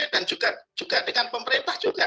dan juga dengan pemerintah juga